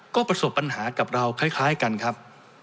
ก็ประสบปัญหากับเราคล้ายกันครับ